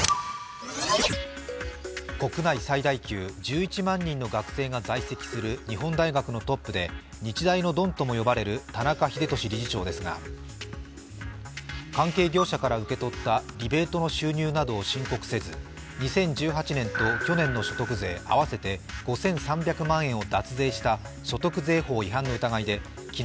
国内最大級、１１万人の学生が在籍する日本大学のトップで日大のドンとも呼ばれる田中英寿理事長ですが関係業者から受け取ってリベートの収入などを申告せず２０１８年と去年の所得税合わせて５３００万円を脱税した所得税法違反の疑いで昨日、